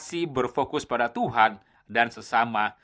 masih berfokus pada tuhan dan sesama